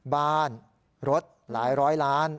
บ้านรถหลายร้อยล้าน